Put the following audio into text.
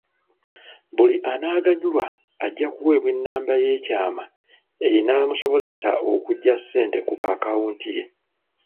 Buli anaaganyulwa ajja kuweebwa ennamba y'ekyama enaamusobozesa okuggya ssente ku akawunti ye